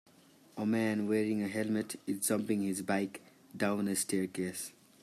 A man wearing a helmet is jumping his bike down a staircase.